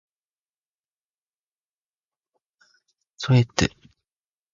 This concept was applied in practice as a procedure known as the Blalock-Taussig shunt.